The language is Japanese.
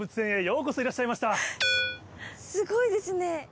すごいですね。